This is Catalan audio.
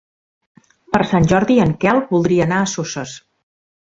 Per Sant Jordi en Quel voldria anar a Soses.